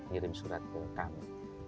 ngirim surat ke kami